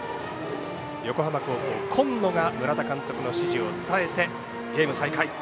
横浜高校、金野が村田監督の指示を伝えてゲーム再開。